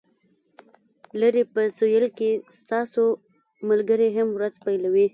لرې په سویل کې ستاسو ملګري هم ورځ پیلوي